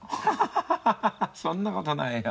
ハハハッそんなことないよ。